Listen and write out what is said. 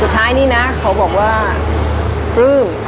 สุดท้ายนี่นะเขาบอกว่าปลื้ม